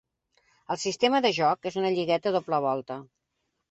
El sistema de joc és una lligueta a doble volta.